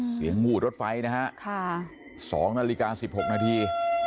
เสียงอู่รถไฟนะฮะ๒นาฬิกา๑๖นาที